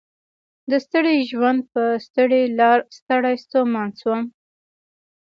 د ستړي ژوند په ستړي لار ستړی ستومان شوم